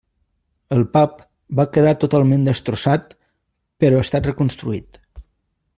El pub va quedar totalment destrossat però ha estat reconstruït.